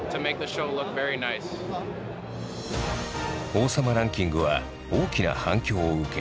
「王様ランキング」は大きな反響を受け